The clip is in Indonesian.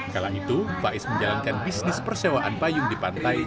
kala itu faiz menjalankan bisnis persewaan payung di pantai